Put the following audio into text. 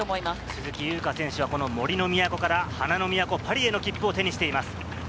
鈴木優花選手はこの杜の都から花の都・パリへの切符を手にしています。